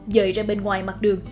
dời ra bên ngoài mặt đường